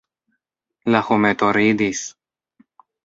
La hometo ridis!